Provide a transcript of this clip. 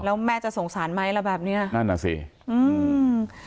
แล้วแม่จะสงสารไหมแล้วแบบเนี้ยนั่นอ่ะสิอืม